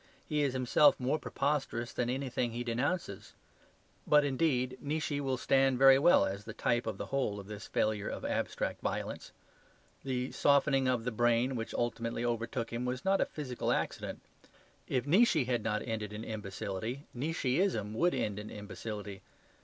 He is himself more preposterous than anything he denounces. But, indeed, Nietzsche will stand very well as the type of the whole of this failure of abstract violence. The softening of the brain which ultimately overtook him was not a physical accident. If Nietzsche had not ended in imbecility, Nietzscheism would end in imbecility.